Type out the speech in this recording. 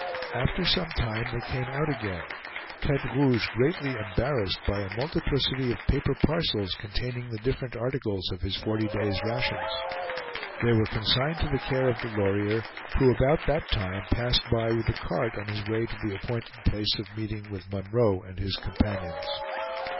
After some time they came out again, Tete Rouge greatly embarrassed by a multiplicity of paper parcels containing the different articles of his forty days' rations. They were consigned to the care of Delorier, who about that time passed by with the cart on his way to the appointed place of meeting with Munroe and his companions.